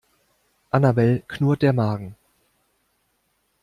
Annabel knurrt der Magen.